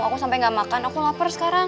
aku sampai gak makan aku lapar sekarang